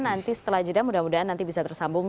nanti setelah jeda mudah mudahan nanti bisa tersambung